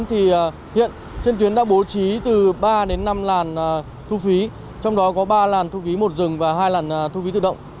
hiện trên tuyến đã bố trí từ ba đến năm làn thu phí trong đó có ba làn thu phí một dừng và hai làn thu phí tự động